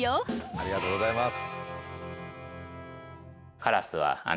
ありがとうございます。